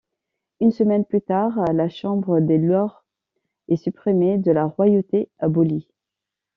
Une semaine plus tard, la Chambre des lords est supprimée et la royauté abolie.